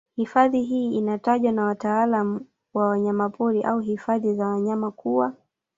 Hifadhi hii inatajwa na wataalamu wa wanyapori au hifadhi za wanyama kuwa